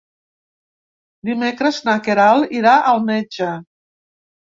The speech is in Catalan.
Dimecres na Queralt irà al metge.